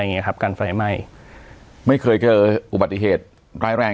อย่างเงี้ครับการไฟไหม้ไม่เคยเจออุบัติเหตุร้ายแรง